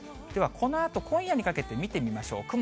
では、このあと、今夜にかけて見てみましょう。